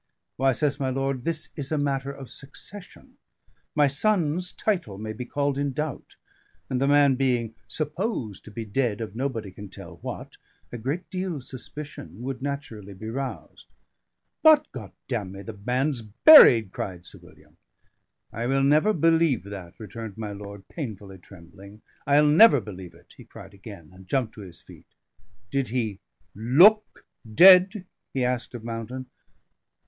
"Why," says my lord, "this is a matter of succession; my son's title may be called in doubt; and the man being supposed to be dead of nobody can tell what, a great deal of suspicion would be naturally roused." "But, God damn me, the man's buried!" cried Sir William. "I will never believe that," returned my lord, painfully trembling. "I'll never believe it!" he cried again, and jumped to his feet. "Did he look dead?" he asked of Mountain.